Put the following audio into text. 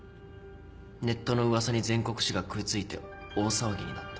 ネットの噂に全国紙が食い付いて大騒ぎになった。